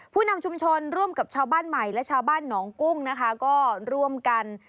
ผู้นำชุมชนร่วมกับชาวบ้านใหม่และชาวบ้านหนองกุ้งนะคะก็ร่วมกัน